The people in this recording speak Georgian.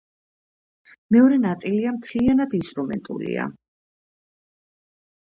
მეორე ნაწილია მთლიანად ინსტრუმენტულია.